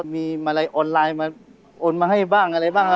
มีมาลัยออนไลน์มาโอนมาให้บ้างอะไรบ้าง